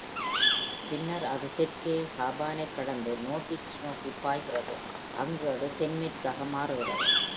பின்னர் அது தெற்கே ஷெர்பர்னைக் கடந்து நோர்விச் நோக்கி பாய்கிறது, அங்கு அது தென்மேற்காக மாறுகிறது.